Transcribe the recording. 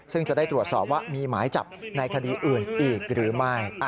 ซึ่งจะได้ตรวจสอบว่ามีหมายจับในคดีอื่นอีกหรือไม่